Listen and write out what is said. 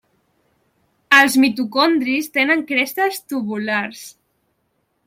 Els mitocondris tenen crestes tubulars.